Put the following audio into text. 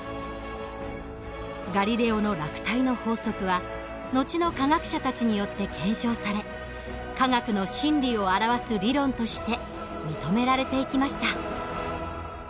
ガリレオの落体の法則は後の科学者たちによって検証され科学の真理を表す理論として認められていきました。